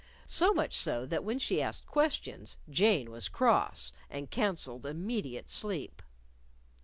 So much so that when she asked questions, Jane was cross, and counseled immediate sleep.